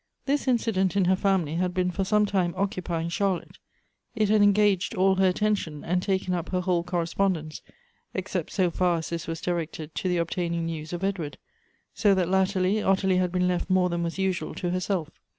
This incident in her family had been for some time occupying Charlotte. It had engaged all her attention, and taken up her whole correspondence, except so far as this was directed to the obtaining news of Edward ; so that latterly Ottilie had been left more than was usual to herself.